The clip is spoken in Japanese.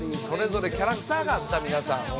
それぞれキャラクターがあった皆さん